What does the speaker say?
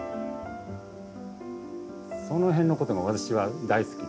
その辺のことが私は大好きで。